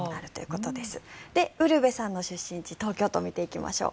ウルヴェさんの出身地東京都、見ていきましょう。